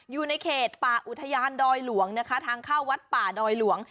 อยู่ในเขตป่าอุทยานดอยหลวงนะคะทางเข้าวัดป่าดอยหลวง